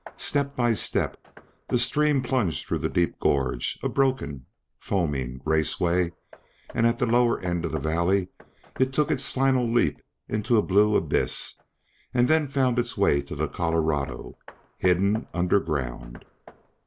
Step by step the stream plunged through the deep gorge, a broken, foaming raceway, and at the lower end of the valley it took its final leap into a blue abyss, and then found its way to the Colorado, hidden underground.